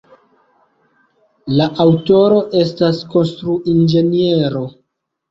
La aŭtoro estas konstruinĝeniero.